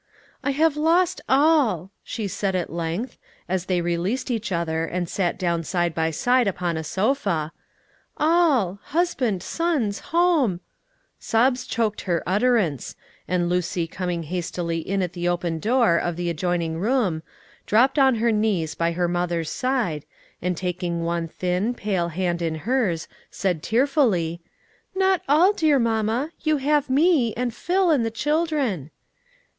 "I have lost all," she said at length, as they released each other and sat down side by side upon a sofa; "all: husband, sons, home " Sobs choked her utterance, and Lucy coming hastily in at the open door of the adjoining room, dropped on her knees by her mother's side, and taking one thin, pale hand in hers, said tearfully, "Not all, dear mamma; you have me, and Phil, and the children."